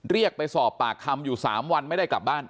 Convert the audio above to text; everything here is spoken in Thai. เรียกไปสอบปากคำอยู่๓วันไม่ได้กลับบ้าน